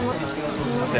すみません